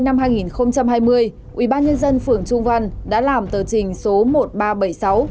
ngày tám tháng một mươi hai năm hai nghìn hai mươi ủy ban nhân dân phường trung văn đã làm tờ trình số một nghìn ba trăm bảy mươi sáu